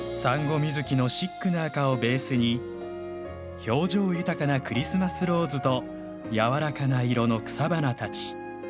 ミズキのシックな赤をベースに表情豊かなクリスマスローズとやわらかな色の草花たち。